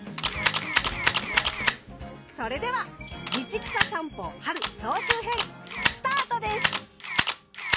それでは「道草さんぽ・春」総集編スタートです。